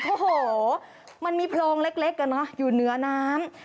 โอ้โหมันมีโพรงเล็กอยู่เหนือน้ำ